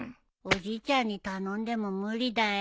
おじいちゃんに頼んでも無理だよ。